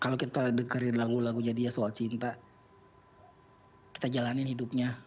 kalau kita dengerin lagu lagunya dia soal cinta kita jalanin hidupnya